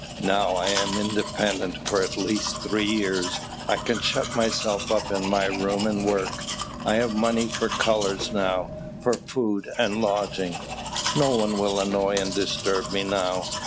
"Now I am independent for at least three years: I can shut myself up in my room and work. I have money for colours now; for food and lodging no one will annoy and disturb me now.